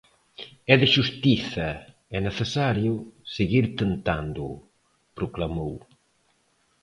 "É de xustiza e necesario seguir tentándoo", proclamou.